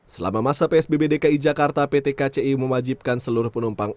selama masa psbb dki jakarta pt kci mewajibkan seluruh penumpang